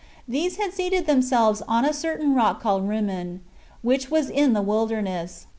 These had seated themselves on a certain rock called Rimmon, which was in the wilderness.